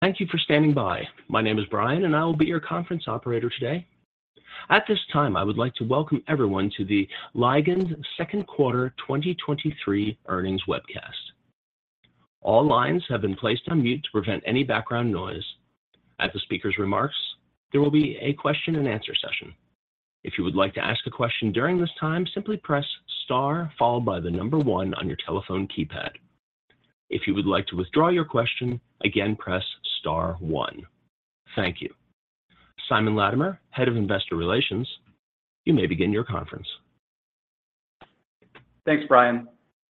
Thank you for standing by. My name is Brian, and I will be your conference operator today. At this time, I would like to welcome everyone to Ligand's second quarter 2023 earnings webcast. All lines have been placed on mute to prevent any background noise. At the speaker's remarks, there will be a question-and-answer session. If you would like to ask a question during this time, simply press Star followed by 1 on your telephone keypad. If you would like to withdraw your question, again, press Star one. Thank you. Simon Latimer, Head of Investor Relations, you may begin your conference. Thanks, Brian.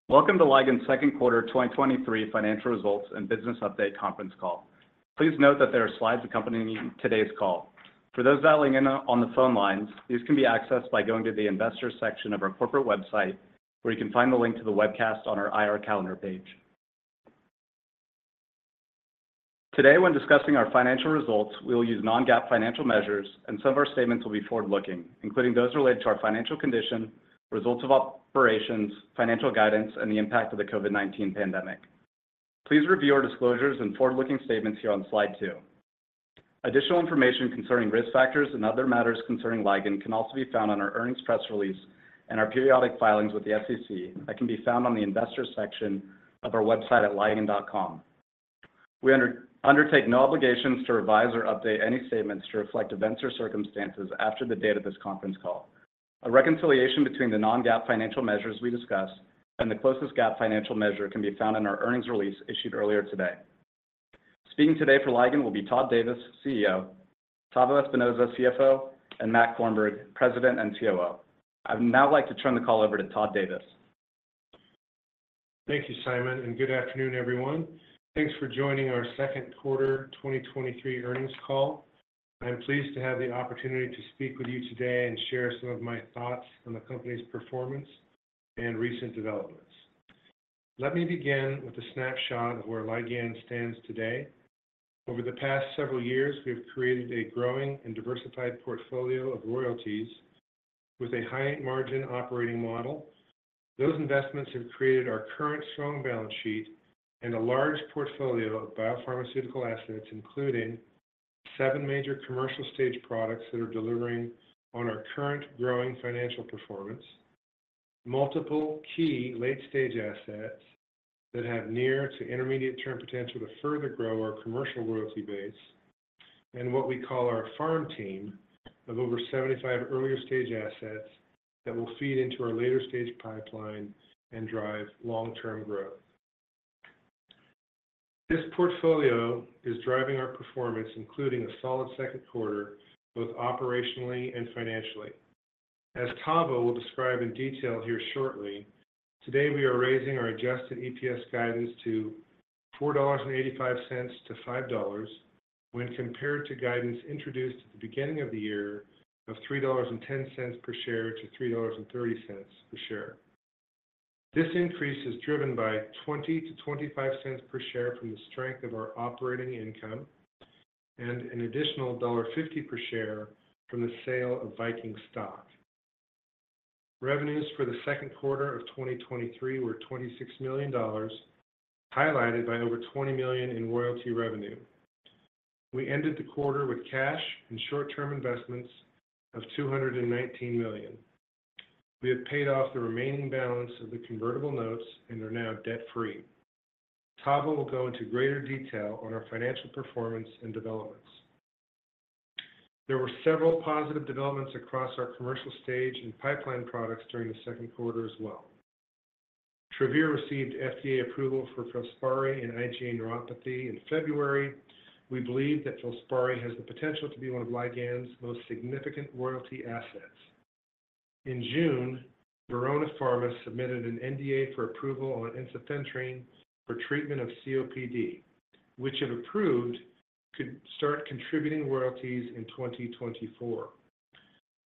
Welcome to Ligand's second quarter 2023 financial results and business update conference call. Please note that there are slides accompanying today's call. For those dialing in on, on the phone lines, these can be accessed by going to the investor section of our corporate website, where you can find the link to the webcast on our IR calendar page. Today, when discussing our financial results, we will use Non-GAAP financial measures, and some of our statements will be forward-looking, including those related to our financial condition, results of operations, financial guidance, and the impact of the COVID-19 pandemic. Please review our disclosures and forward-looking statements here on slide two. Additional information concerning risk factors and other matters concerning Ligand can also be found on our earnings press release and our periodic filings with the SEC that can be found on the investor section of our website at ligand.com. We undertake no obligations to revise or update any statements to reflect events or circumstances after the date of this conference call. A reconciliation between the Non-GAAP financial measures we discuss and the closest GAAP financial measure can be found in our earnings release issued earlier today. Speaking today for Ligand will be Todd Davis, CEO, Tavo Espinoza, CFO, and Matt Korenberg, President and COO. I'd now like to turn the call over to Todd Davis. Thank you, Simon. Good afternoon, everyone. Thanks for joining our second quarter 2023 earnings call. I'm pleased to have the opportunity to speak with you today and share some of my thoughts on the company's performance and recent developments. Let me begin with a snapshot of where Ligand stands today. Over the past several years, we've created a growing and diversified portfolio of royalties with a high-margin operating model. Those investments have created our current strong balance sheet and a large portfolio of biopharmaceutical assets, including seven major commercial stage products that are delivering on our current growing financial performance, multiple key late-stage assets that have near to intermediate-term potential to further grow our commercial royalty base, and what we call our farm team of over 75 earlier stage assets that will feed into our later stage pipeline and drive long-term growth. This portfolio is driving our performance, including a solid second quarter, both operationally and financially. As Tavo will describe in detail here shortly, today, we are raising our adjusted EPS guidance to $4.85-$5.00, when compared to guidance introduced at the beginning of the year of $3.10 per share-$3.30 per share. This increase is driven by $0.20-$0.25 per share from the strength of our operating income and an additional $1.50 per share from the sale of Viking stock. Revenues for the second quarter of 2023 were $26 million, highlighted by over $20 million in royalty revenue. We ended the quarter with cash and short-term investments of $219 million. We have paid off the remaining balance of the convertible notes and are now debt-free. Tavo will go into greater detail on our financial performance and developments. There were several positive developments across our commercial stage and pipeline products during the second quarter as well. Travere received FDA approval for FILSPARI and IgA nephropathy in February. We believe that FILSPARI has the potential to be one of Ligand's most significant royalty assets. In June, Verona Pharma submitted an NDA for approval on ensifentrine for treatment of COPD, which, if approved, could start contributing royalties in 2024.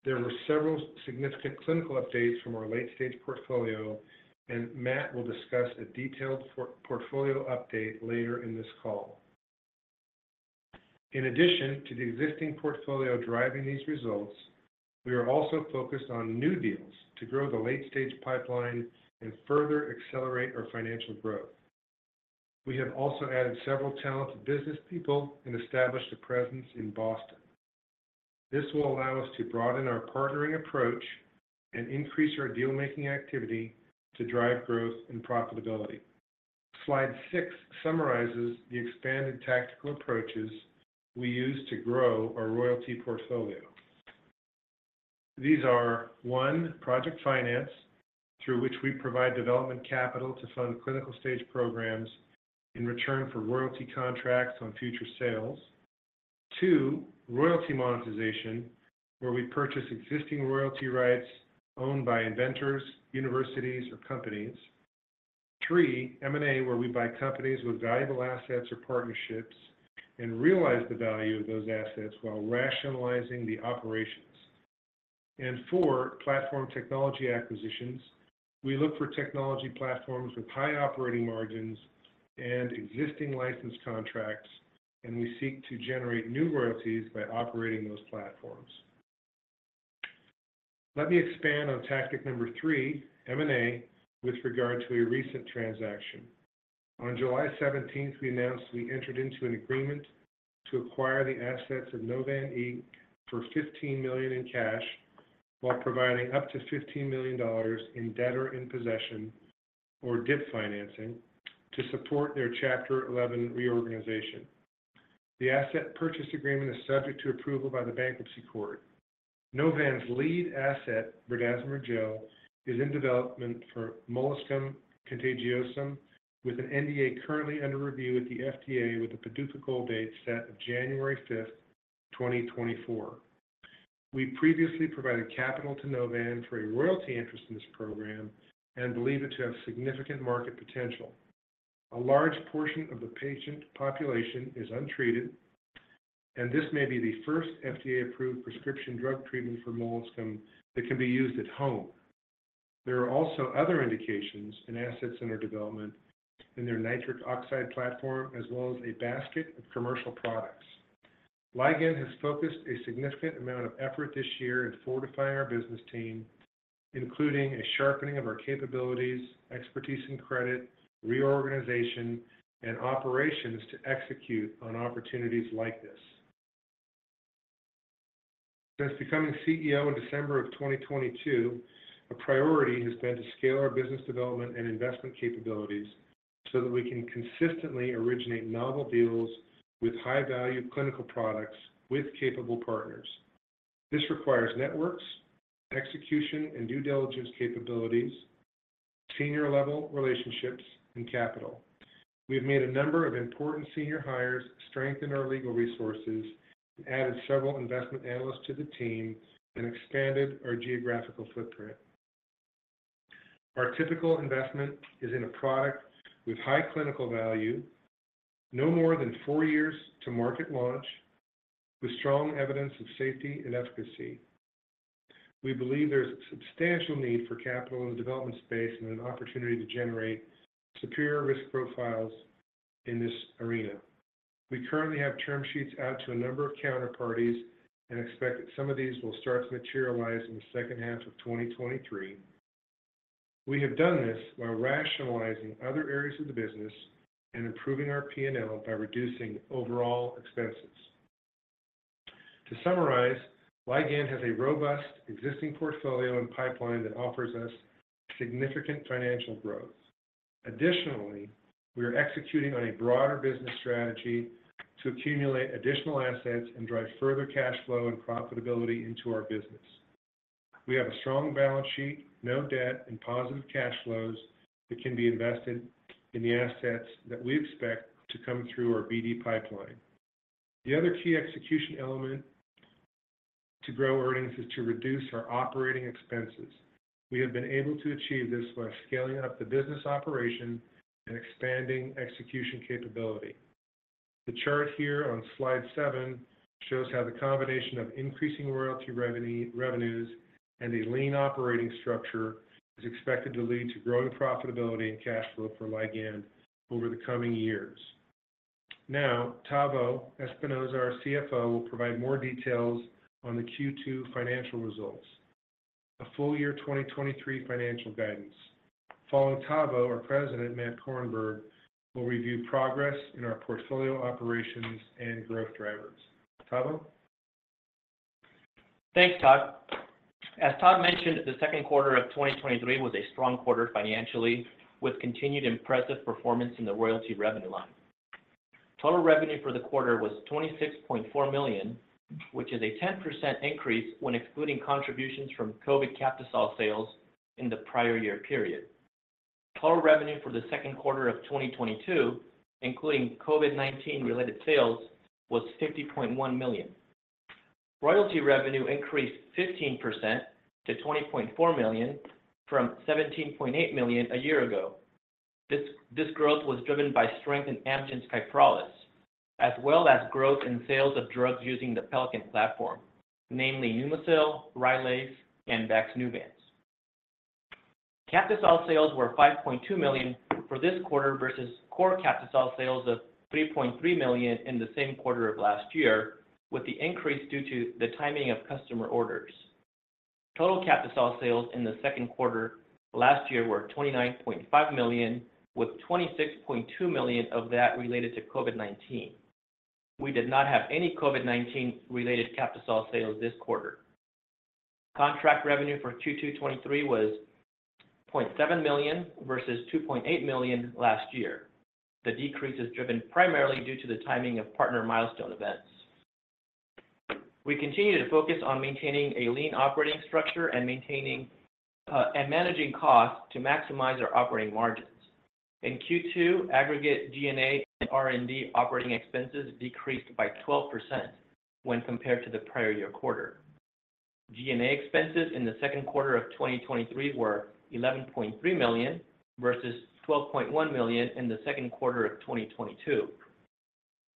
There were several significant clinical updates from our late-stage portfolio. Matt will discuss a detailed portfolio update later in this call. In addition to the existing portfolio driving these results, we are also focused on new deals to grow the late-stage pipeline and further accelerate our financial growth. We have also added several talented business people and established a presence in Boston. This will allow us to broaden our partnering approach and increase our deal-making activity to drive growth and profitability. Slide six summarizes the expanded tactical approaches we use to grow our royalty portfolio. These are: one, project finance, through which we provide development capital to fund clinical-stage programs in return for royalty contracts on future sales. two, royalty monetization, where we purchase existing royalty rights owned by inventors, universities, or companies. three, M&A, where we buy companies with valuable assets or partnerships and realize the value of those assets while rationalizing the operations. four, platform technology acquisitions. We look for technology platforms with high operating margins and existing license contracts, and we seek to generate new royalties by operating those platforms. Let me expand on tactic number three, M&A, with regard to a recent transaction. On July 17th, we announced we entered into an agreement to acquire the assets of Novan for $15 million in cash, while providing up to $15 million in debtor-in-possession, or DIP financing, to support their Chapter 11 reorganization. The asset purchase agreement is subject to approval by the bankruptcy court. Novan's lead asset, berdazimer gel, is in development for molluscum contagiosum, with an NDA currently under review with the FDA, with the PDUFA goal date set of January 5th, 2024. We previously provided capital to Novan for a royalty interest in this program and believe it to have significant market potential. A large portion of the patient population is untreated, and this may be the first FDA-approved prescription drug treatment for molluscum that can be used at home. There are also other indications and assets in their development, in their nitric oxide platform, as well as a basket of commercial products. Ligand has focused a significant amount of effort this year in fortifying our business team, including a sharpening of our capabilities, expertise in credit, reorganization, and operations to execute on opportunities like this. Since becoming CEO in December of 2022, a priority has been to scale our business development and investment capabilities so that we can consistently originate novel deals with high-value clinical products with capable partners. This requires networks, execution, and due diligence capabilities, senior-level relationships, and capital. We have made a number of important senior hires, strengthened our legal resources, added several investment analysts to the team, and expanded our geographical footprint. Our typical investment is in a product with high clinical value, no more than four years to market launch, with strong evidence of safety and efficacy. We believe there's a substantial need for capital in the development space and an opportunity to generate superior risk profiles in this arena. We currently have term sheets out to a number of counterparties and expect that some of these will start to materialize in the second half of 2023. We have done this while rationalizing other areas of the business and improving our P&L by reducing overall expenses. To summarize, Ligand has a robust existing portfolio and pipeline that offers us significant financial growth. Additionally, we are executing on a broader business strategy to accumulate additional assets and drive further cash flow and profitability into our business. We have a strong balance sheet, no debt, and positive cash flows that can be invested in the assets that we expect to come through our BD pipeline. The other key execution element to grow earnings is to reduce our operating expenses. We have been able to achieve this by scaling up the business operation and expanding execution capability. The chart here on slide seven shows how the combination of increasing royalty revenues and a lean operating structure is expected to lead to growing profitability and cash flow for Ligand over the coming years. Tavo Espinoza, our CFO, will provide more details on the Q2 financial results, a full year 2023 financial guidance. Following Tavo, our President, Matt Korenberg, will review progress in our portfolio operations and growth drivers. Tavo? Thanks, Todd. As Todd mentioned, the second quarter of 2023 was a strong quarter financially, with continued impressive performance in the royalty revenue line. Total revenue for the quarter was $26.4 million, which is a 10% increase when excluding contributions from COVID Captisol sales in the prior year period. Total revenue for the second quarter of 2022, including COVID-19 related sales, was $50.1 million. Royalty revenue increased 15% to $20.4 million, from $17.8 million a year ago. This, this growth was driven by strength in Amgen's Kyprolis, as well as growth in sales of drugs using the Pelican platform, namely Pneumosil, RYLAZE, and Vaxneuvance. Captisol sales were $5.2 million for this quarter versus core Captisol sales of $3.3 million in the same quarter of last year, with the increase due to the timing of customer orders. Total Captisol sales in the second quarter last year were $29.5 million, with $26.2 million of that related to COVID-19. We did not have any COVID-19 related Captisol sales this quarter. Contract revenue for 2022-2023 was $0.7 million versus $2.8 million last year. The decrease is driven primarily due to the timing of partner milestone events. We continue to focus on maintaining a lean operating structure and maintaining and managing costs to maximize our operating margins. In Q2, aggregate G&A and R&D operating expenses decreased by 12% when compared to the prior year quarter. G&A expenses in the second quarter of 2023 were $11.3 million versus $12.1 million in the second quarter of 2022.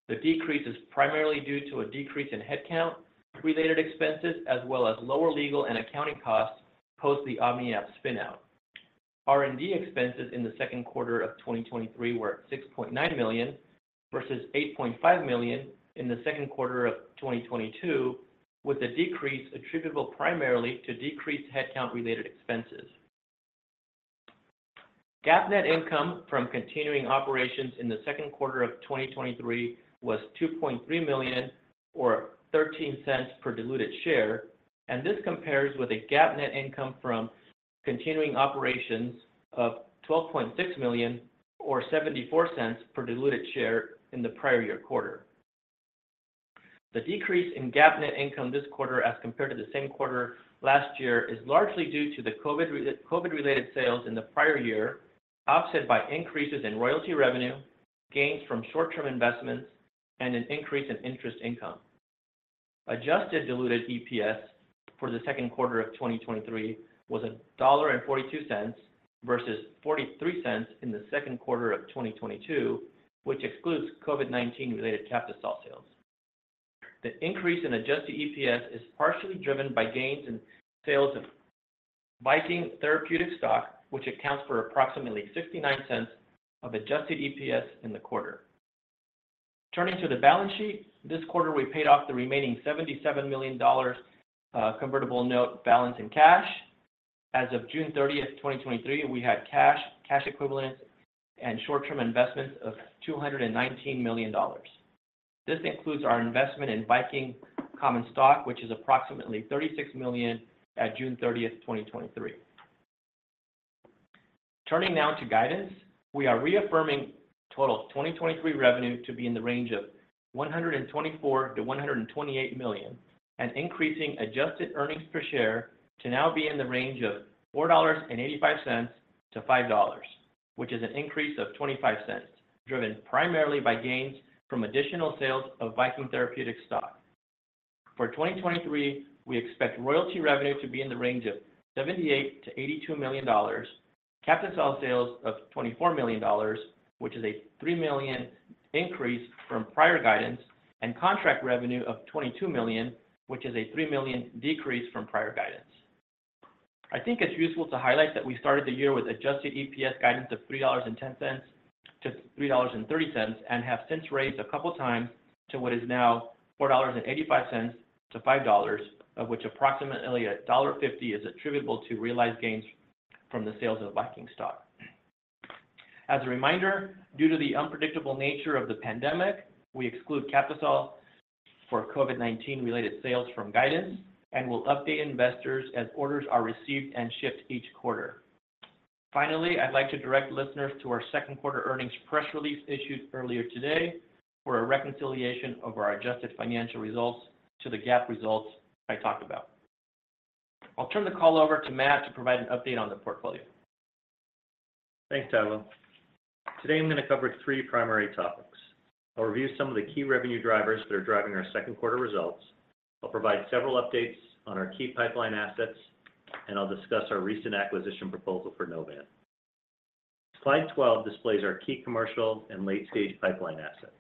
The decrease is primarily due to a decrease in headcount-related expenses, as well as lower legal and accounting costs post the OmniAb spin-out. R&D expenses in the second quarter of 2023 were at $6.9 million, versus $8.5 million in the second quarter of 2022, with a decrease attributable primarily to decreased headcount-related expenses. GAAP net income from continuing operations in the second quarter of 2023 was $2.3 million, or $0.13 per diluted share, and this compares with a GAAP net income from continuing operations of $12.6 million, or $0.74 per diluted share in the prior year quarter. The decrease in GAAP net income this quarter, as compared to the same quarter last year, is largely due to the COVID-related sales in the prior year, offset by increases in royalty revenue, gains from short-term investments, and an increase in interest income. Adjusted diluted EPS for the second quarter of 2023 was $1.42, versus $0.43 in the second quarter of 2022, which excludes COVID-19 related Captisol sales. The increase in adjusted EPS is partially driven by gains in sales of Viking Therapeutics stock, which accounts for approximately $0.69 of adjusted EPS in the quarter. Turning to the balance sheet, this quarter, we paid off the remaining $77 million convertible note balance in cash. As of June 30th, 2023, we had cash, cash equivalents, and short-term investments of $219 million. This includes our investment in Viking common stock, which is approximately $36 million at June 30th, 2023. Turning now to guidance, we are reaffirming total 2023 revenue to be in the range of $124 million-$128 million, increasing adjusted earnings per share to now be in the range of $4.85-$5.00, which is an increase of $0.25, driven primarily by gains from additional sales of Viking Therapeutics stock. For 2023, we expect royalty revenue to be in the range of $78 million-$82 million, Captisol sales of $24 million, which is a $3 million increase from prior guidance, contract revenue of $22 million, which is a $3 million decrease from prior guidance. I think it's useful to highlight that we started the year with adjusted EPS guidance of $3.10-$3.30, and have since raised a couple of times to what is now $4.85-$5.00, of which approximately $1.50 is attributable to realized gains from the sales of Viking stock. As a reminder, due to the unpredictable nature of the pandemic, we exclude Captisol for COVID-19 related sales from guidance and will update investors as orders are received and shipped each quarter. Finally, I'd like to direct listeners to our second quarter earnings press release issued earlier today for a reconciliation of our adjusted financial results to the GAAP results I talked about. I'll turn the call over to Matt to provide an update on the portfolio. Thanks, Tavo. Today, I'm going to cover three primary topics. I'll review some of the key revenue drivers that are driving our second quarter results. I'll provide several updates on our key pipeline assets, and I'll discuss our recent acquisition proposal for Novan. Slide 12 displays our key commercial and late-stage pipeline assets.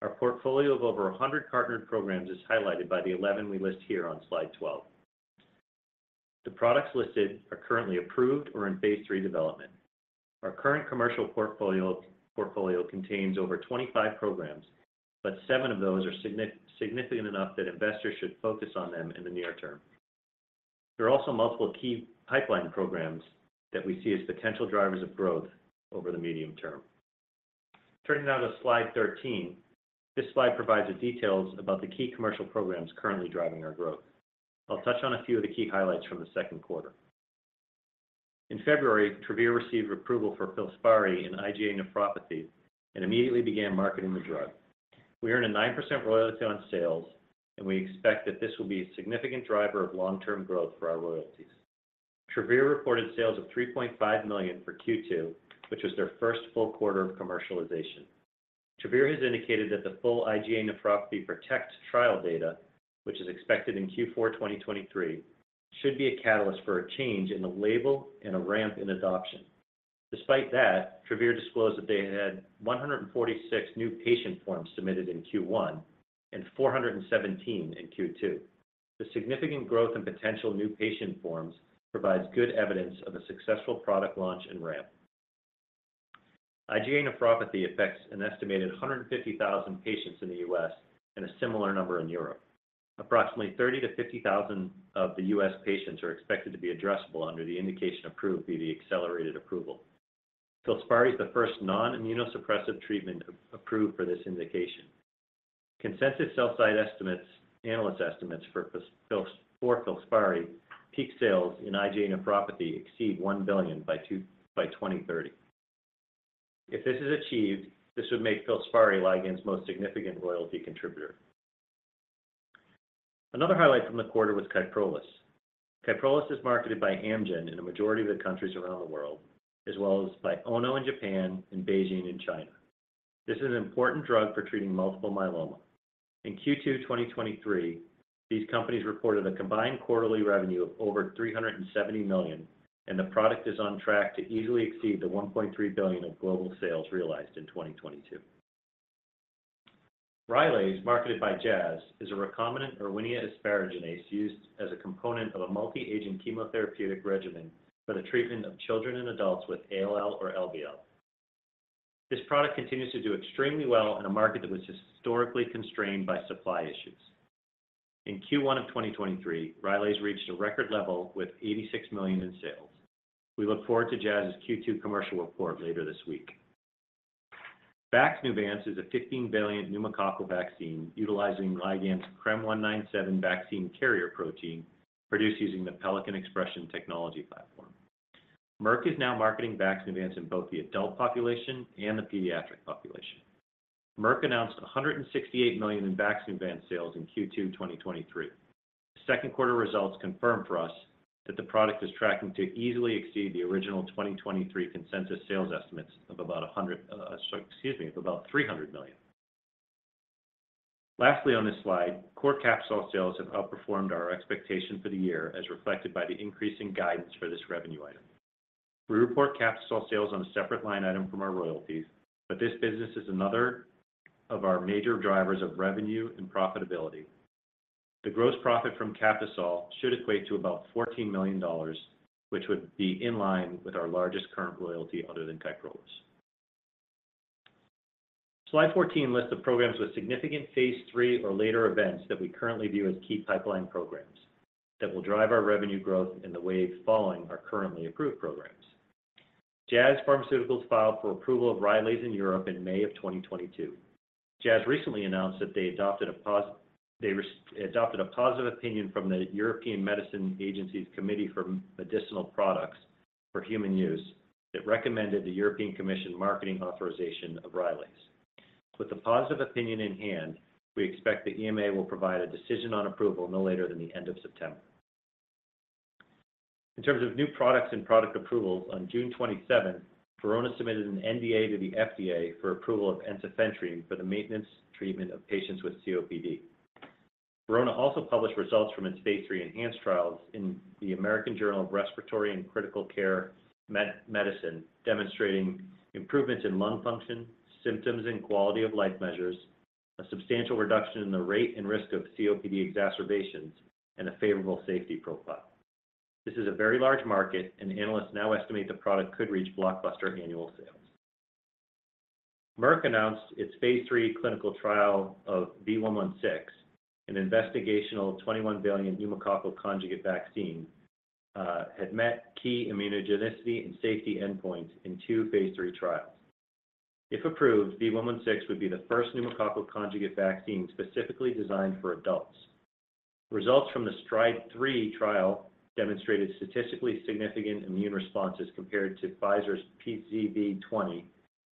Our portfolio of over 100 partnered programs is highlighted by the 11 we list here on Slide 12. The products listed are currently approved or in phase III development. Our current commercial portfolio, portfolio contains over 25 programs, but 7 programs of those are significant enough that investors should focus on them in the near term. There are also multiple key pipeline programs that we see as potential drivers of growth over the medium term. Turning now to Slide 13. This slide provides the details about the key commercial programs currently driving our growth. I'll touch on a few of the key highlights from the second quarter. In February, Travere received approval for FILSPARI in IgA nephropathy and immediately began marketing the drug. We earn a 9% royalty on sales, and we expect that this will be a significant driver of long-term growth for our royalties. Travere reported sales of $3.5 million for Q2, which was their first full quarter of commercialization. Travere has indicated that the full IgA nephropathy PROTECT trial data, which is expected in Q4 2023, should be a catalyst for a change in the label and a ramp in adoption. Despite that, Travere disclosed that they had 146 new patient forms submitted in Q1 and 417 in Q2. The significant growth in potential new patient forms provides good evidence of a successful product launch and ramp. IgA nephropathy affects an estimated 150,000 patients in the U.S. and a similar number in Europe. Approximately 30,000 patients-50,000 patients of the U.S. patients are expected to be addressable under the indication approved via the accelerated approval. FILSPARI is the first non-immunosuppressive treatment approved for this indication. Consensus sell-side estimates, analyst estimates for FILSPARI peak sales in IgA nephropathy exceed $1 billion by 2030. If this is achieved, this would make FILSPARI Ligand's most significant royalty contributor. Another highlight from the quarter was Kyprolis. Kyprolis is marketed by Amgen in a majority of the countries around the world, as well as by Ono in Japan and BeiGene in China. This is an important drug for treating multiple myeloma. In Q2 2023, these companies reported a combined quarterly revenue of over $370 million, and the product is on track to easily exceed the $1.3 billion of global sales realized in 2022. Rylaze, marketed by Jazz, is a recombinant Erwinia asparaginase used as a component of a multi-agent chemotherapeutic regimen for the treatment of children and adults with ALL or LBL. This product continues to do extremely well in a market that was historically constrained by supply issues. In Q1 of 2023, Rylaze reached a record level with $86 million in sales. We look forward to Jazz's Q2 commercial report later this week. Vaxneuvance is a 15-valent pneumococcal vaccine utilizing Ligand's CRM197 vaccine carrier protein, produced using the Pelican Expression Technology platform. Merck is now marketing Vaxneuvance in both the adult population and the pediatric population. Merck announced $168 million in Vaxneuvance sales in Q2 2023. Second quarter results confirm for us that the product is tracking to easily exceed the original 2023 consensus sales estimates of about $100 million, excuse me, of about $300 million. Lastly, on this slide, core Captisol sales have outperformed our expectations for the year, as reflected by the increase in guidance for this revenue item. We report Captisol sales on a separate line item from our royalties, this business is another of our major drivers of revenue and profitability. The gross profit from Captisol should equate to about $14 million, which would be in line with our largest current royalty, other than Kyprolis. Slide 14 lists the programs with significant phase III or later events that we currently view as key pipeline programs that will drive our revenue growth in the waves following our currently approved programs. Jazz Pharmaceuticals filed for approval of Rylaze in Europe in May 2022. Jazz recently announced that they adopted a positive opinion from the European Medicines Agency's Committee for Medicinal Products for Human Use that recommended the European Commission marketing authorization of Rylaze. With the positive opinion in hand, we expect the EMA will provide a decision on approval no later than the end of September. In terms of new products and product approvals, on June 27th, Verona submitted an NDA to the FDA for approval of ensifentrine for the maintenance treatment of patients with COPD. Verona also published results from its phase III ENHANCE trials in the American Journal of Respiratory and Critical Care Med-Medicine, demonstrating improvements in lung function, symptoms, and quality of life measures, a substantial reduction in the rate and risk of COPD exacerbations, and a favorable safety profile. Analysts now estimate the product could reach blockbuster annual sales. Merck announced its phase III clinical trial of V116, an investigational 21-valent pneumococcal conjugate vaccine, had met key immunogenicity and safety endpoints in two phase III trials. If approved, V116 would be the first pneumococcal conjugate vaccine specifically designed for adults. Results from the STRIDE-3 trial demonstrated statistically significant immune responses compared to Pfizer's PCV20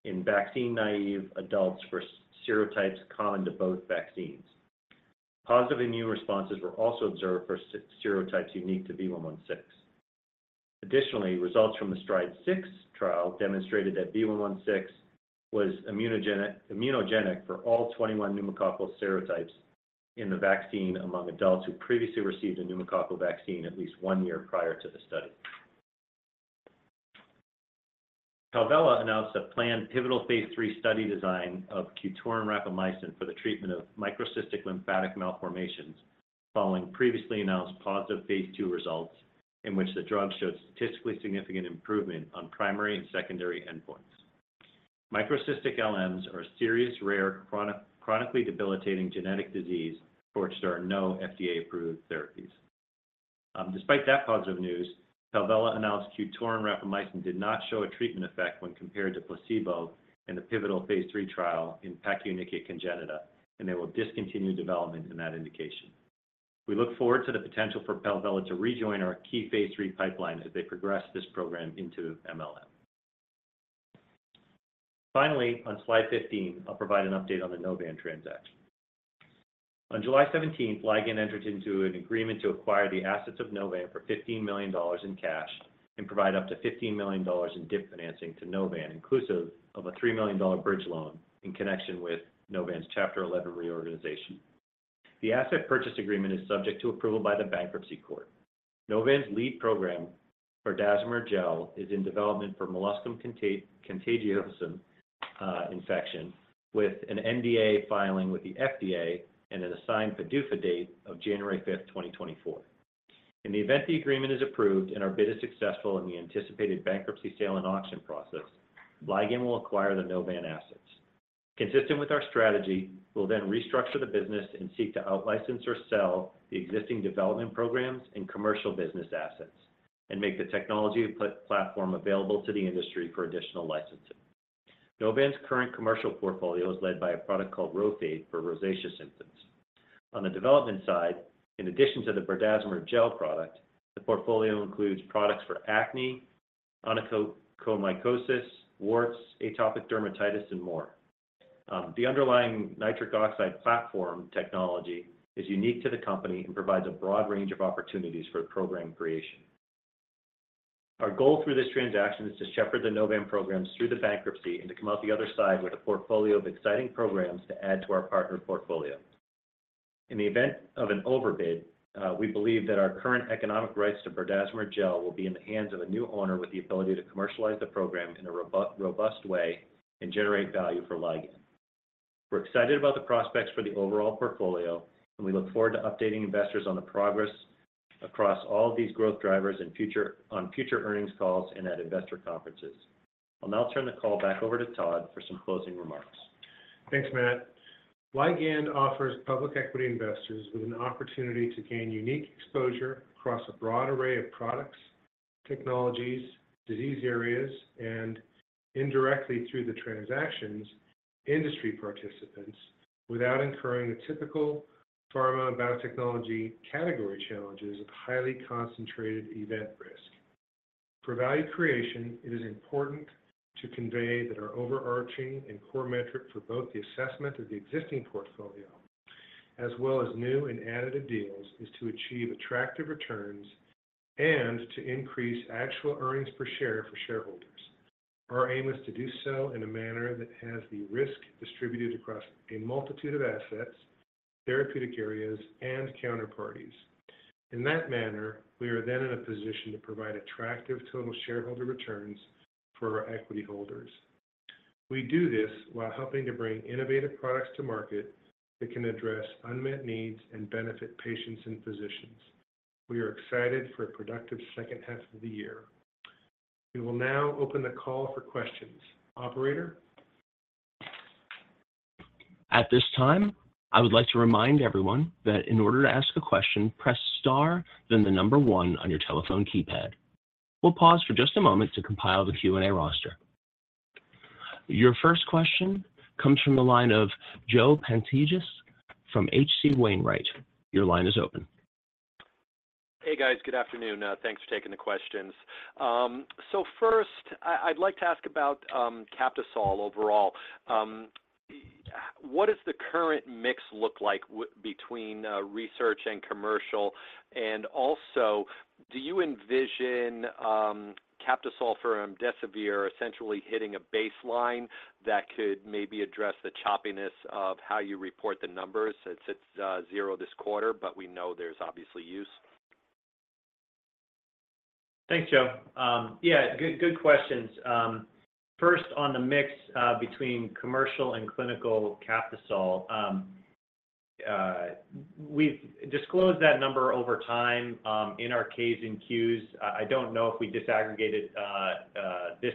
in vaccine-naive adults for serotypes common to both vaccines. Positive immune responses were also observed for serotypes unique to V116. Additionally, results from the STRIDE-6 trial demonstrated that V116 was immunogenic, immunogenic for all 21 pneumococcal serotypes in the vaccine among adults who previously received a pneumococcal vaccine at least one year prior to the study. Palvella announced a planned pivotal phase III study design of QTORIN rapamycin for the treatment of microcystic lymphatic malformations, following previously announced positive phase II results in which the drug showed statistically significant improvement on primary and secondary endpoints. Microcystic LMs are a serious, rare, chronically debilitating genetic disease for which there are no FDA-approved therapies. Despite that positive news, Palvella announced QTORIN rapamycin did not show a treatment effect when compared to placebo in the pivotal phase III trial in pachyonychia congenita, and they will discontinue development in that indication. We look forward to the potential for Palvella to rejoin our key phase III pipeline as they progress this program into MLM. On slide 15, I'll provide an update on the Novan transaction. On July 17th, Ligand entered into an agreement to acquire the assets of Novan for $15 million in cash and provide up to $15 million in DIP financing to Novan, inclusive of a $3 million bridge loan in connection with Novan's Chapter 11 reorganization. The asset purchase agreement is subject to approval by the bankruptcy court. Novan's lead program berdazimer gel, is in development for molluscum contagiosum infection, with an NDA filing with the FDA and an assigned PDUFA date of January 5th, 2024. In the event the agreement is approved and our bid is successful in the anticipated bankruptcy sale and auction process, Ligand will acquire the Novan assets. Consistent with our strategy, we'll then restructure the business and seek to out-license or sell the existing development programs and commercial business assets, and make the technology platform available to the industry for additional licensing. Novan's current commercial portfolio is led by a product called RHOFADE for rosacea symptoms. On the development side, in addition to the berdazimer gel product, the portfolio includes products for acne, onychomycosis, warts, atopic dermatitis, and more. The underlying nitric oxide platform technology is unique to the company and provides a broad range of opportunities for program creation. Our goal through this transaction is to shepherd the Novan programs through the bankruptcy and to come out the other side with a portfolio of exciting programs to add to our partner portfolio. In the event of an overbid, we believe that our current economic rights to berdazimer gel will be in the hands of a new owner with the ability to commercialize the program in a robust way and generate value for Ligand. We're excited about the prospects for the overall portfolio, we look forward to updating investors on the progress across all these growth drivers on future earnings calls and at investor conferences. I'll now turn the call back over to Todd for some closing remarks. Thanks, Matt. Ligand offers public equity investors with an opportunity to gain unique exposure across a broad array of products, technologies, disease areas, and indirectly, through the transactions, industry participants, without incurring the typical pharma and biotechnology category challenges of highly concentrated event risk. For value creation, it is important to convey that our overarching and core metric for both the assessment of the existing portfolio, as well as new and additive deals, is to achieve attractive returns and to increase actual earnings per share for shareholders. Our aim is to do so in a manner that has the risk distributed across a multitude of assets, therapeutic areas, and counterparties. In that manner, we are then in a position to provide attractive total shareholder returns for our equity holders. We do this while helping to bring innovative products to market that can address unmet needs and benefit patients and physicians. We are excited for a productive second half of the year. We will now open the call for questions. Operator? At this time, I would like to remind everyone that in order to ask a question, press Star, then one on your telephone keypad. We'll pause for just a moment to compile the Q&A roster. Your first question comes from the line of Joe Pantginis from H.C. Wainwright. Your line is open. Hey, guys. Good afternoon. Thanks for taking the questions. First, I, I'd like to ask about Captisol overall. What does the current mix look like between research and commercial? Also, do you envision Captisol for remdesivir essentially hitting a baseline that could maybe address the choppiness of how you report the numbers? It's at zero this quarter, but we know there's obviously use. Thanks, Joe. Yeah, good, good questions. First, on the mix, between commercial and clinical Captisol, we've disclosed that number over time, in our Ks and Qs. I don't know if we disaggregated this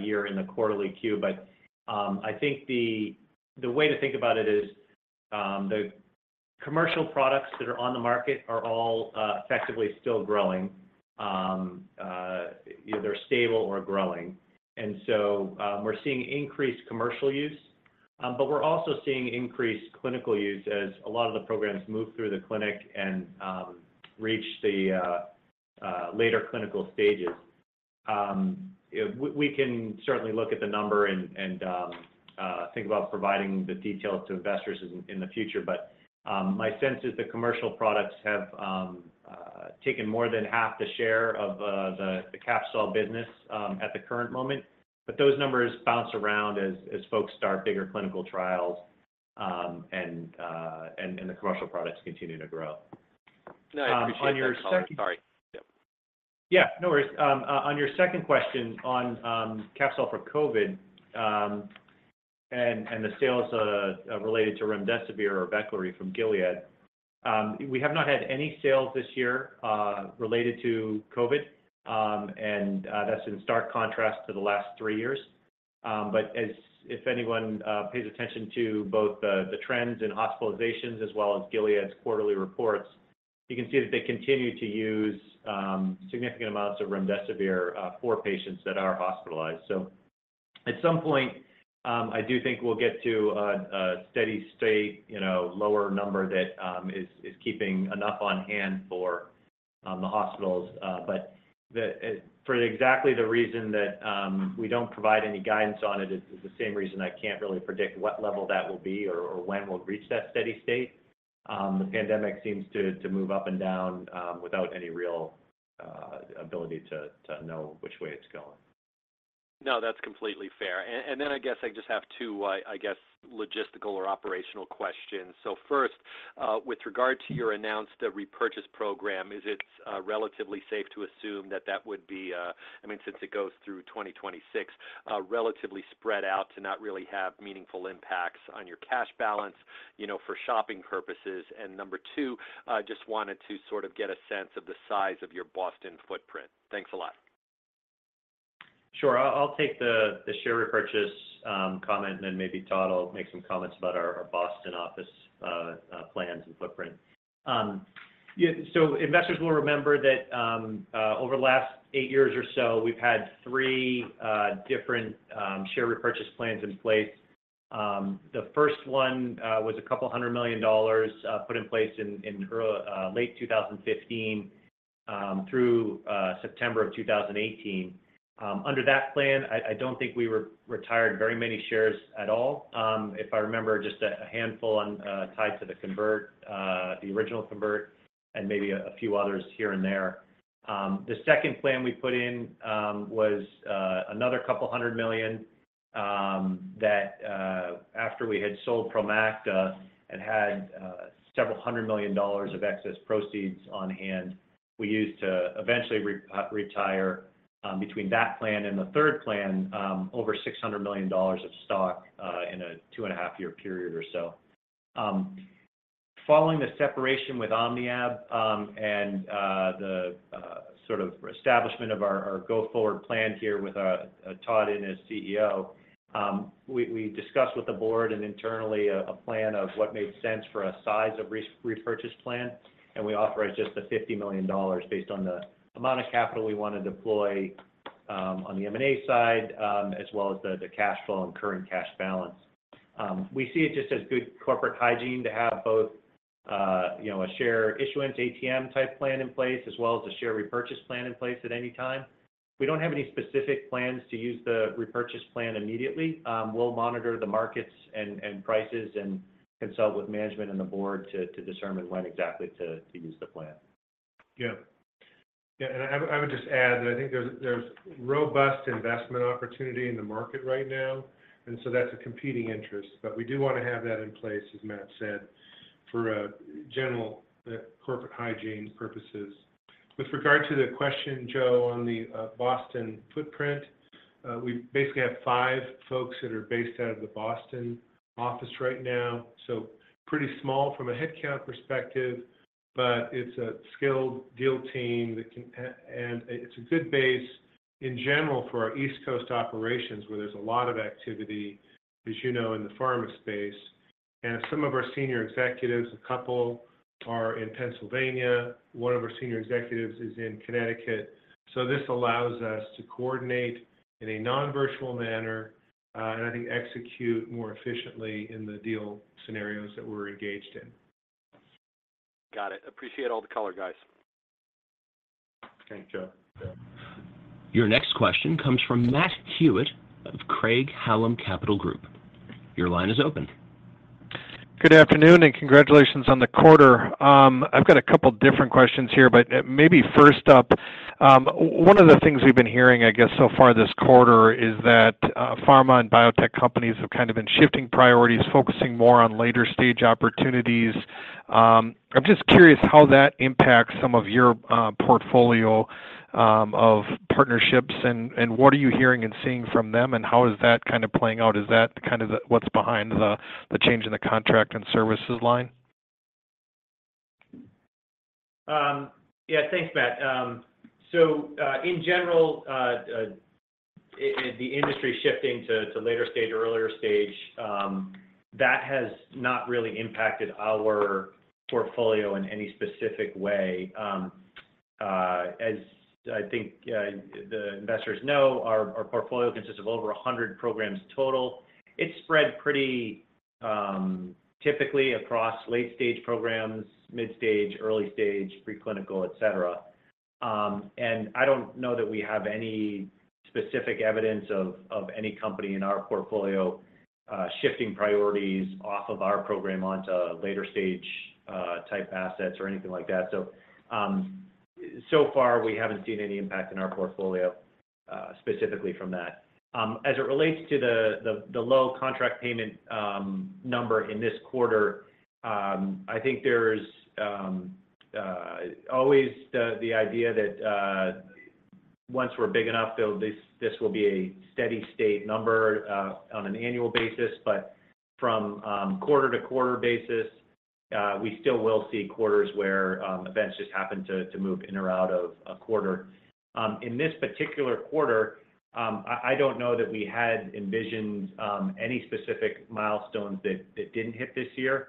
year in the quarterly queue, but I think the way to think about it is, the commercial products that are on the market are all effectively still growing. Either they're stable or growing, and so, we're seeing increased commercial use, but we're also seeing increased clinical use as a lot of the programs move through the clinic and reach the later clinical stages. We can certainly look at the number and think about providing the details to investors in the future. My sense is the commercial products have taken more than half the share of the Captisol business at the current moment. Those numbers bounce around as, as folks start bigger clinical trials, and, and the commercial products continue to grow. No, I appreciate that color. On your second- Sorry. Yeah. Yeah, no worries. On your second question on Captisol for COVID, and the sales related to remdesivir or Veklury from Gilead, we have not had any sales this year related to COVID, and that's in stark contrast to the last three years. If anyone pays attention to both the trends in hospitalizations as well as Gilead's quarterly reports, you can see that they continue to use significant amounts of remdesivir for patients that are hospitalized. At some point, I do think we'll get to a steady state, you know, lower number that is keeping enough on hand for the hospitals. The, for exactly the reason that we don't provide any guidance on it is, is the same reason I can't really predict what level that will be or, or when we'll reach that steady state. The pandemic seems to, to move up and down without any real ability to, to know which way it's going. No, that's completely fair. And then I guess I just have two, I, I guess, logistical or operational questions. First, with regard to your announced repurchase program, is it relatively safe to assume that that would be... I mean, since it goes through 2026, relatively spread out to not really have meaningful impacts on your cash balance, you know, for shopping purposes? Number two, I just wanted to sort of get a sense of the size of your Boston footprint. Thanks a lot. Sure. I'll, I'll take the, the share repurchase comment, and then maybe Todd will make some comments about our Boston office plans and footprint. Yeah, investors will remember that over the last 8 years or so, we've had 3 different share repurchase plans in place. The first one was a $200 million, put in place in late 2015 through September of 2018. Under that plan, I, I don't think we retired very many shares at all. If I remember, just a handful on tied to the convert, the original convert, and maybe a few others here and there. The second plan we put in was another $200 million. that, after we had sold Promacta and had $several hundred million of excess proceeds on hand, we used to eventually retire, between that plan and the third plan, over $600 million of stock, in a 2.5-year period or so. Following the separation with OmniAb, and the sort of establishment of our, our go-forward plan here with Todd in as CEO, we, we discussed with the board and internally a, a plan of what made sense for a size of repurchase plan, and we authorized just the $50 million based on the amount of capital we want to deploy, on the M&A side, as well as the, the cash flow and current cash balance. We see it just as good corporate hygiene to have both, you know, a share issuance, ATM-type plan in place, as well as a share repurchase plan in place at any time. We don't have any specific plans to use the repurchase plan immediately. We'll monitor the markets and prices and consult with management and the board to determine when exactly to use the plan. Yeah. Yeah, I would, I would just add that I think there's, there's robust investment opportunity in the market right now, that's a competing interest. We do want to have that in place, as Matt said, for general corporate hygiene purposes. With regard to the question, Joe, on the Boston footprint, we basically have five folks that are based out of the Boston office right now, so pretty small from a headcount perspective, but it's a skilled deal team that can. It's a good base in general for our East Coast operations, where there's a lot of activity, as you know, in the pharma space. Some of our senior executives, a couple are in Pennsylvania. One of our senior executives is in Connecticut. This allows us to coordinate in a non-virtual manner, and I think execute more efficiently in the deal scenarios that we're engaged in. Got it. Appreciate all the color, guys. Thanks, Joe. Your next question comes from Matt Hewitt of Craig-Hallum Capital Group. Your line is open. Good afternoon, congratulations on the quarter. I've got two different questions here, but maybe first up, one of the things we've been hearing, I guess, so far this quarter is that pharma and biotech companies have kind of been shifting priorities, focusing more on later-stage opportunities. I'm just curious how that impacts some of your portfolio of partnerships and, what are you hearing and seeing from them, and how is that kind of playing out? Is that kind of the what's behind the change in the contract and services line? Yeah, thanks, Matt. In general, the industry shifting to, to later stage or earlier stage, that has not really impacted our portfolio in any specific way. As I think the investors know, our portfolio consists of over 100 programs total. It's spread pretty typically across late-stage programs, mid-stage, early-stage, preclinical, et cetera. I don't know that we have any specific evidence of any company in our portfolio shifting priorities off of our program onto later-stage type assets or anything like that. So far, we haven't seen any impact in our portfolio specifically from that. As it relates to the, the, the low contract payment number in this quarter, I think there's always the idea that once we're big enough, this, this will be a steady state number on an annual basis, but from quarter-to-quarter basis, we still will see quarters where events just happen to, to move in or out of a quarter. In this particular quarter, I, I don't know that we had envisioned any specific milestones that, that didn't hit this year,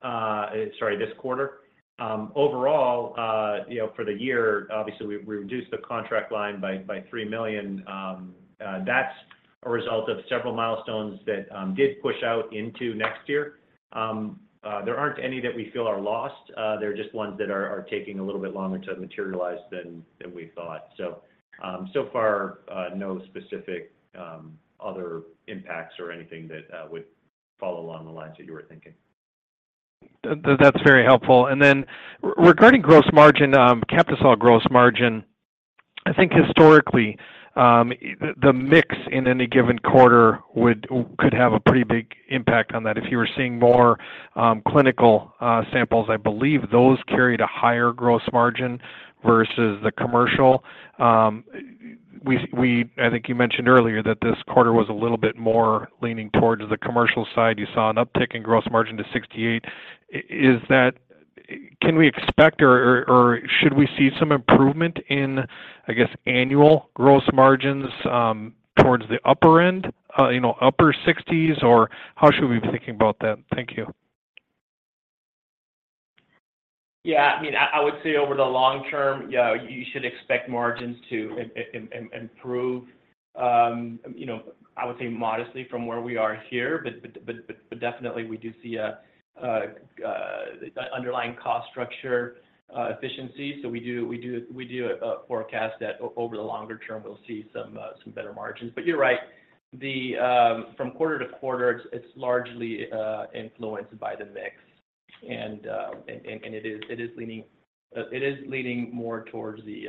sorry, this quarter. Overall, you know, for the year, obviously, we, we reduced the contract line by, by $3 million. That's a result of several milestones that did push out into next year. There aren't any that we feel are lost, they're just ones that are, are taking a little bit longer to materialize than, than we thought. So far, no specific other impacts or anything that would follow along the lines that you were thinking. That's very helpful. Regarding gross margin, Captisol gross margin, I think historically, the mix in any given quarter could have a pretty big impact on that. If you were seeing more clinical samples, I believe those carried a higher gross margin versus the commercial. I think you mentioned earlier that this quarter was a little bit more leaning towards the commercial side. You saw an uptick in gross margin to 68%. Is that? Can we expect or should we see some improvement in, I guess, annual gross margins, towards the upper end, you know, upper 60s, or how should we be thinking about that? Thank you. Yeah, I mean, I, I would say over the long term, yeah, you should expect margins to improve. You know, I would say modestly from where we are here, but, but, but, but definitely we do see a underlying cost structure efficiency. We do, we do, we do forecast that over the longer term, we'll see some better margins. You're right. From quarter to quarter, it's largely influenced by the mix. ... and, and, and it is, it is leaning, it is leaning more towards the,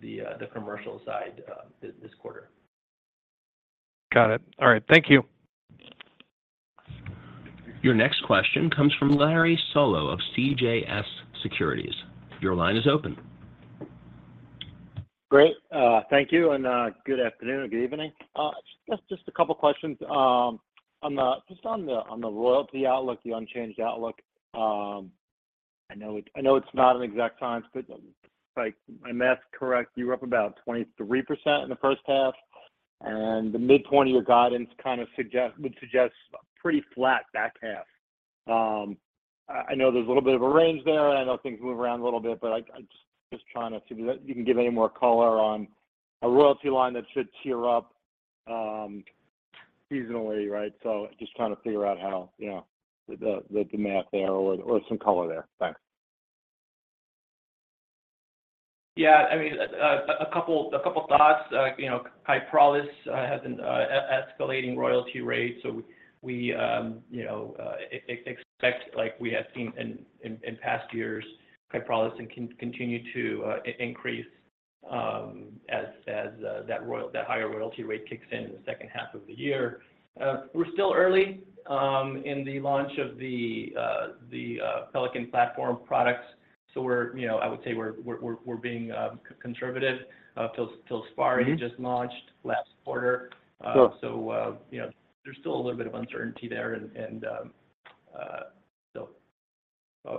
the, the commercial side, this, this quarter. Got it. All right, thank you. Your next question comes from Larry Solow of CJS Securities. Your line is open. Great. Thank you, good afternoon or good evening. Just a couple questions. On the royalty outlook, the unchanged outlook, I know it, I know it's not an exact science, but, like, if I'm math correct, you were up about 23% in the first half, and the mid-20 year guidance kind of would suggest pretty flat back half. I know there's a little bit of a range there, and I know things move around a little bit, but I just trying to see if you can give any more color on a royalty line that should tier up seasonally, right? Just trying to figure out how, you know, the math there or some color there. Thanks. Yeah, I mean, a couple thoughts. you know, Kyprolis has an escalating royalty rate, so we, you know, expect, like we have seen in past years, Kyprolis can continue to increase as that higher royalty rate kicks in in the second half of the year. we're still early in the launch of the Pelican platform products, so we're, you know, I would say we're being conservative. FILSPARI. Mm-hmm just launched last quarter. Sure. You know, there's still a little bit of uncertainty there. I,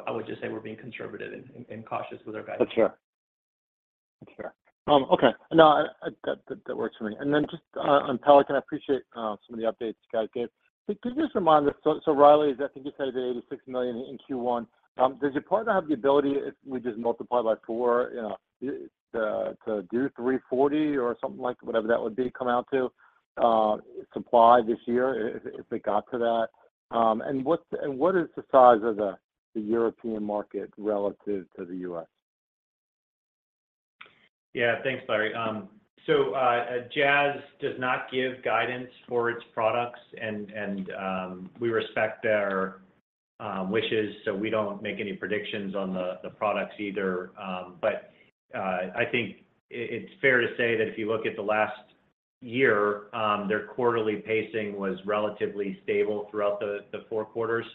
I would just say we're being conservative and, and cautious with our guidance. That's fair. That's fair. Okay. No, that, that works for me. Then just on Pelican, I appreciate some of the updates you guys gave. Could you just remind us? So, RYLAZE, I think you said $86 million in Q1. Does your partner have the ability, if we just multiply by four, you know, to do 340 or something like whatever that would be come out to, supply this year if it got to that? And what is the size of the European market relative to the U.S.? Yeah. Thanks, Larry. Jazz does not give guidance for its products, and we respect their wishes, so we don't make any predictions on the products either. I think it's fair to say that if you look at the last year, their quarterly pacing was relatively stable throughout the four quarters.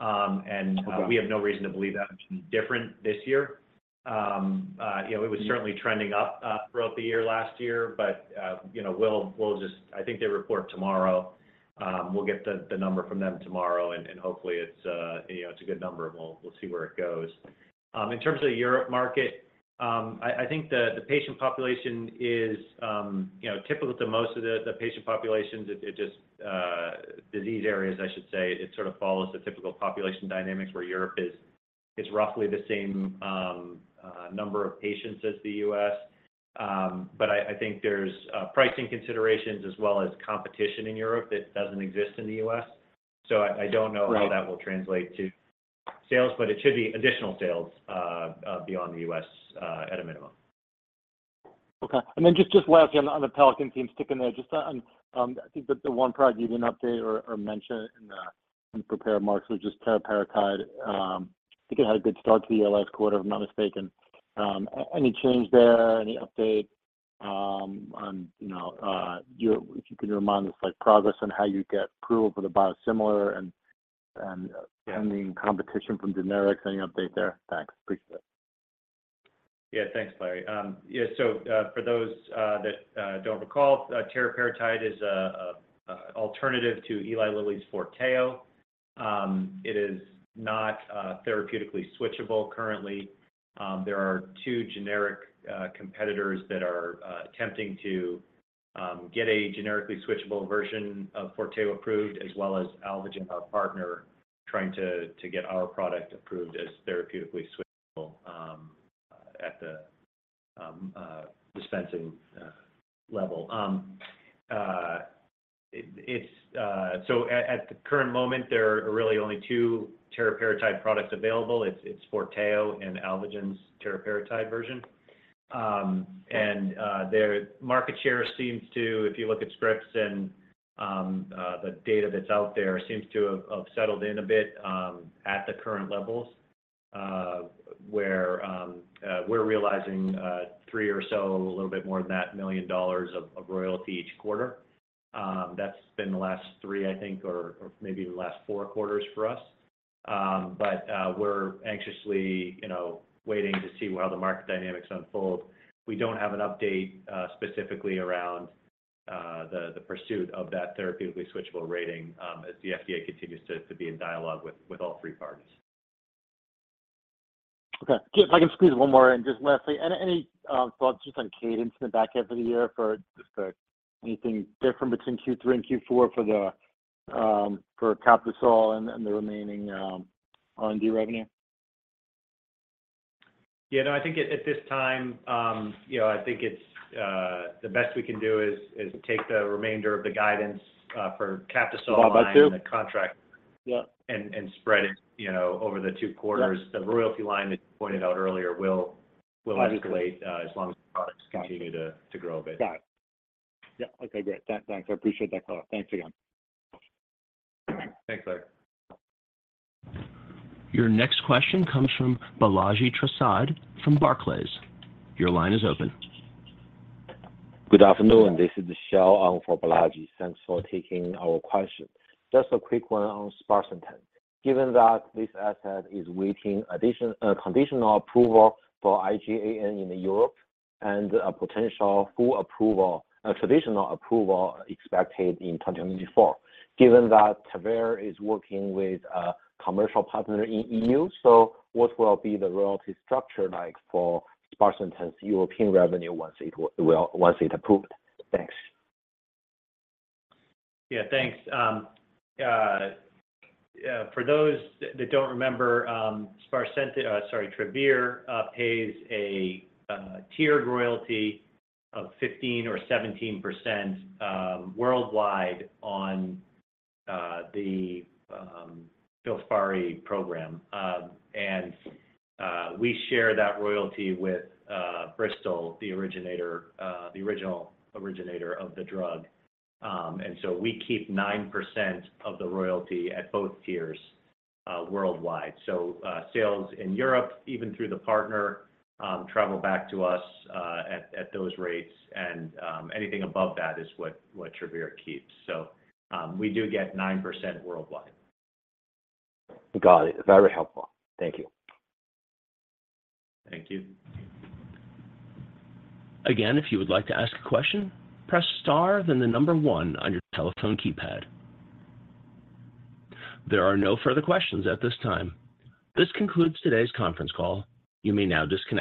Okay... We have no reason to believe that would be different this year. You know... Sure... it was certainly trending up, throughout the year last year, but, you know, we'll, we'll just... I think they report tomorrow. We'll get the, the number from them tomorrow, and, and hopefully it's, you know, it's a good number, and we'll, we'll see where it goes. In terms of the Europe market, I, I think the, the patient population is, you know, typical to most of the, the patient populations. It, it just, disease areas, I should say, it sort of follows the typical population dynamics, where Europe is, is roughly the same, number of patients as the U.S. I, I think there's pricing considerations as well as competition in Europe that doesn't exist in the U.S. Right. I don't know how that will translate to sales, but it should be additional sales beyond the US at a minimum. Okay. Then just, just lastly, on the Pelican team, sticking there, just on, I think the one product you didn't update or mention in the prepared marks was just teriparatide. I think it had a good start to the last quarter, if I'm not mistaken. Any change there? Any update on, you know, your... If you can remind us, like, progress on how you get approval for the biosimilar and, and- Yeah... pending competition from generics, any update there? Thanks. Appreciate it. Yeah. Thanks, Larry. Yeah, for those that don't recall, teriparatide is a alternative to Eli Lilly's Forteo. It is not therapeutically switchable currently. There are two generic competitors that are attempting to get a generically switchable version of Forteo approved, as well as Alvogen, our partner, trying to get our product approved as therapeutically switchable at the dispensing level. At the current moment, there are really only two teriparatide products available. It's Forteo and Alvogen's teriparatide version. Their market share seems to, if you look at scripts and the data that's out there, seems to have, have settled in a bit at the current levels, where we're realizing $3 million or so, a little bit more than that, of royalty each quarter. That's been the last three, I think, or maybe the last four quarters for us. We're anxiously, you know, waiting to see how the market dynamics unfold. We don't have an update specifically around the pursuit of that therapeutically switchable rating as the FDA continues to be in dialogue with all three parties. Okay. If I can squeeze one more in, just lastly, any, any thoughts just on cadence in the back half of the year for just the... anything different between Q3 and Q4 for the, for caplacizumab and, and the remaining, R&D revenue? Yeah, no, I think at, at this time, you know, I think it's, the best we can do is, is take the remainder of the guidance, for caplacizumab. About that, too. line in the contract. Yep spread it, you know, over the two quarters. Yep. The royalty line that you pointed out earlier will escalate. Got it. as long as the products continue to, to grow a bit. Got it. Yeah. Okay, great. Thanks, thanks. I appreciate that, Carl. Thanks again. Thanks, sir. Your next question comes from Balaji Prasad from Barclays. Your line is open. Good afternoon, this is Michelle on for Balaji. Thanks for taking our question. Just a quick one on sparsentan. Given that this asset is waiting addition, conditional approval for IAN in Europe and a potential full approval, a traditional approval expected in 2024, given that Travere is working with a commercial partner in EU, what will be the royalty structure like for sparsentan's European revenue once it well, once it's approved? Thanks. Yeah, thanks. For those that don't remember, sparsentan, sorry, Travere, pays a tiered royalty of 15% or 17% worldwide on the FILSPARI program. We share that royalty with Bristol, the originator, the original originator of the drug. We keep 9% of the royalty at both tiers worldwide. Sales in Europe, even through the partner, travel back to us at those rates, and anything above that is what Travere keeps. We do get 9% worldwide. Got it. Very helpful. Thank you. Thank you. Again, if you would like to ask a question, press star, then the number 1 on your telephone keypad. There are no further questions at this time. This concludes today's conference call. You may now disconnect.